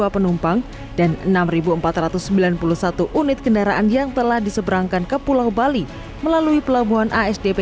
dua puluh tujuh ribu dua ratus lima puluh dua penumpang dan enam ribu empat ratus sembilan puluh satu unit kendaraan yang telah diseberangkan ke pulau bali melalui pelabuhan asdp